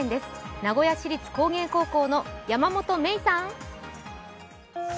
名古屋市立工芸高校の山本愛唯さん。